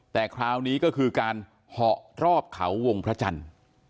แต่คราวนี้ก็คือการเหาะรอบเขาวงพระจันทร์